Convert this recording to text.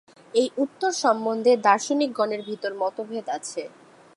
এই উত্তর সম্বন্ধে দার্শনিকগণের ভিতর মতভেদ আছে।